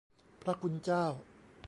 พระคุณเจ้า